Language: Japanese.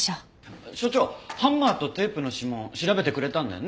所長ハンマーとテープの指紋調べてくれたんだよね？